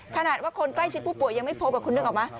ขนาดว่าคนใกล้ชิดผู้ป่วยยังไม่พบคุณนึกออกไหม